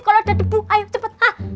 kalau ada debu ayo cepetan